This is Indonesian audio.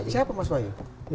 siapa mas woyu